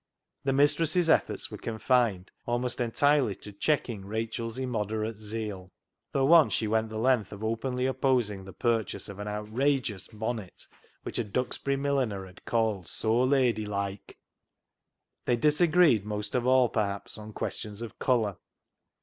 The mistress's efforts were confined almost entirely to checking Rachel's immoderate zeal, though once she went the length of openly opposing the purchase of an outrageous bonnet which a Duxbury milliner had called " so lady like." They disagreed most of all, perhaps, on questions of colour.